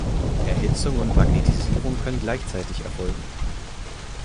Erhitzung und Magnetisierung können gleichzeitig erfolgen.